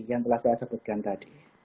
yang telah saya sebutkan tadi